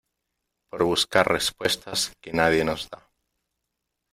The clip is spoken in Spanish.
por buscar respuestas que nadie nos da .